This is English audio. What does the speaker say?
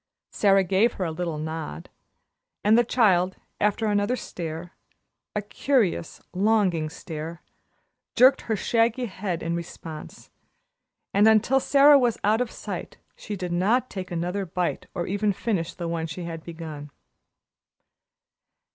Sara gave her a little nod, and the child, after another stare, a curious, longing stare, jerked her shaggy head in response, and until Sara was out of sight she did not take another bite or even finish the one she had begun.